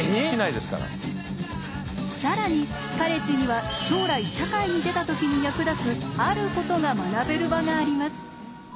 更にカレッジには将来社会に出た時に役立つあることが学べる場があります。